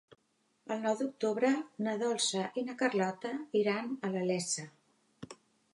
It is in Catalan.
El nou d'octubre na Dolça i na Carlota iran a la Iessa.